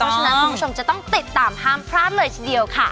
เพราะฉะนั้นคุณผู้ชมจะต้องติดตามห้ามพลาดเลยทีเดียวค่ะ